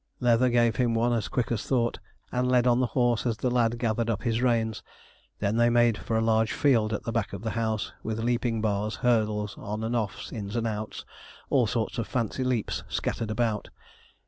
Leather gave him one as quick as thought, and led on the horse as the lad gathered up his reins. They then made for a large field at the back of the house, with leaping bars, hurdles, 'on and offs,' 'ins and outs,' all sorts of fancy leaps scattered about.